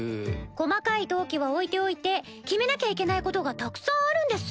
細かい登記は置いておいて決めなきゃいけないことがたくさんあるんです。